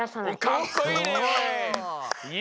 かっこいい！